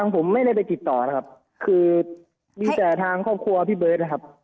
ผมไม่ได้ไปติดต่อนะครับคือมีแต่ทางครอบครัวพี่เบิร์ตนะครับ